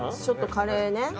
ちょっとカレーね。